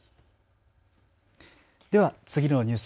では次のニュース。